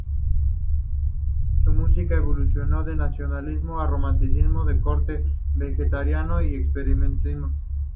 Su música evolucionó del nacionalismo al romanticismo de corte wagneriano y al expresionismo.